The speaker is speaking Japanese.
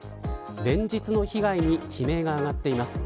連日の被害に悲鳴が上がっています。